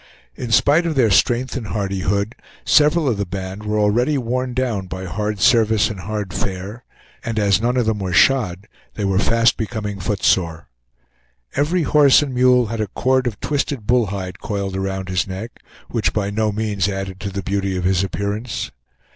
In spite of their strength and hardihood, several of the band were already worn down by hard service and hard fare, and as none of them were shod, they were fast becoming foot sore. Every horse and mule had a cord of twisted bull hide coiled around his neck, which by no means added to the beauty of his appearance.